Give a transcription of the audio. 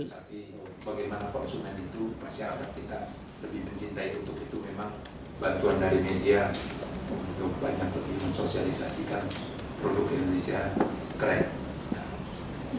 itu banyak lagi mensosialisasikan produk indonesia keren